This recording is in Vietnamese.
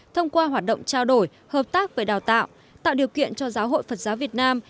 thông qua hoạt động trao đổi hợp tác về đào tạo tạo điều kiện cho giáo hội phật giáo việt nam